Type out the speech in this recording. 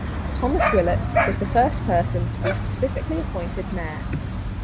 Thomas Willett was the first person to be specifically appointed mayor.